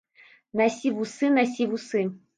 Насі вусы, насі вусы!